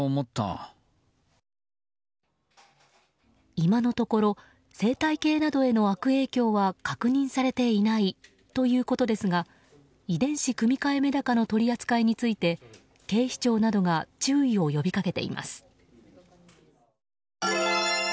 今のところ生態系などへの悪影響は確認されていないということですが遺伝子組み換えメダカの取り扱いについて警視庁などが注意を呼びかけています。